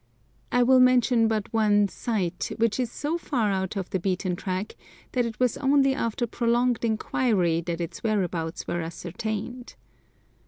I will mention but one "sight," which is so far out of the beaten track that it was only after prolonged inquiry that its whereabouts was ascertained.